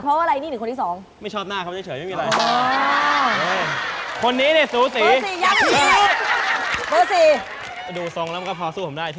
สวัสดีครับครับผมสวัสดีครับขอบคุณครับผม